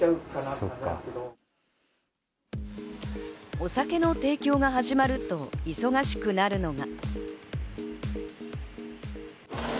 お酒の提供が始まると忙しくなるのが。